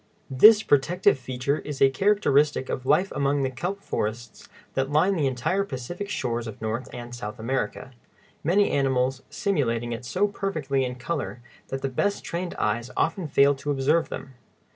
] This protective feature is a characteristic of life among the kelp forests that line the entire Pacific shores of North and South America, many animals simulating it so perfectly in color that the best trained eyes often fail to observe them.